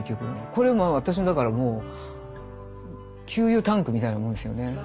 これ私のだからもう給油タンクみたいなものですよね。